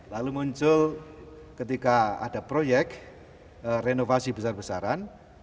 lalu muncul ketika ada proyek renovasi besar besaran